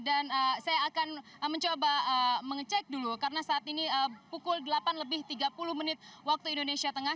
dan saya akan mencoba mengecek dulu karena saat ini pukul delapan lebih tiga puluh menit waktu indonesia tengah